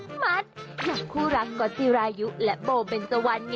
หลักคู่รักก็อจิรายุและโบเป็นสวรรค์เนี่ย